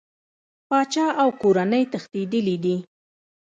پاچا او کورنۍ تښتېدلي دي.